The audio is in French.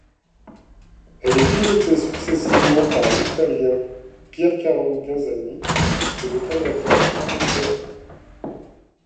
Elle est pilotée successivement par l'Italien Piercarlo Ghinzani et le Canadien Allen Berg.